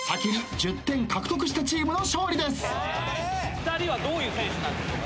２人はどういう選手なんですか？